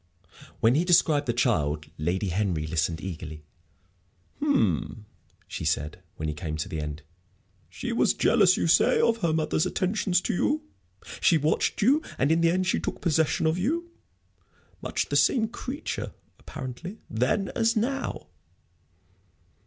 When he described the child, Lady Henry listened eagerly. "Hm," she said, when he came to an end; "she was jealous, you say, of her mother's attentions to you? She watched you, and in the end she took possession of you? Much the same creature, apparently, then as now."